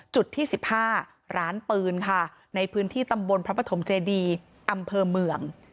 จุดที่๑๕ร้านปืนค่ะในพื้นที่ตำบลพระปฐมเจดีอำเภอเมือง